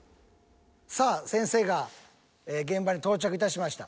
さあ先生が現場に到着いたしました。